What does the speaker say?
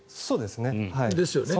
そうですね。